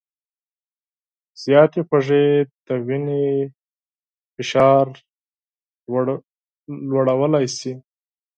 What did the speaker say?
زیاتې خوږې د وینې فشار لوړولی شي.